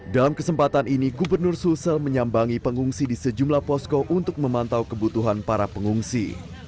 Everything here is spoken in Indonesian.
dalam kesempatan ini gubernur sulsel menyambangi pengungsi di sejumlah posko untuk memantau kebutuhan para pengungsi